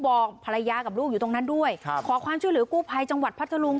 บอกภรรยากับลูกอยู่ตรงนั้นด้วยครับขอความช่วยเหลือกู้ภัยจังหวัดพัทธรุง